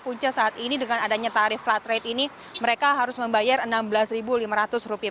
punca saat ini dengan adanya tarif flat rate ini mereka harus membayar enam belas lima ratus rupiah